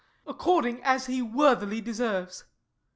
According as he worthily deserves.